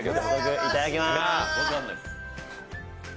いただきまーす。